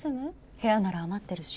部屋なら余ってるし。